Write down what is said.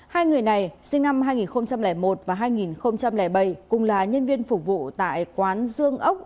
hai người này sinh năm hai nghìn một và hai nghìn bảy cùng là nhân viên phục vụ tại quán dương ốc